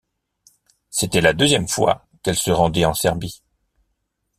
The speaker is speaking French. C'était la deuxième fois qu'elle se rendait en Serbie.